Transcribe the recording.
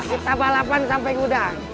kita balapan sampe gudang